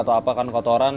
atau apa kan